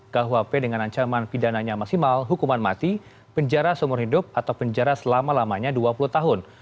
kuhp dengan ancaman pidananya maksimal hukuman mati penjara seumur hidup atau penjara selama lamanya dua puluh tahun